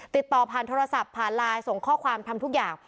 ติดต่อผ่านโทรศัพท์ผ่านไลน์ส่งข้อความทำทุกอย่าง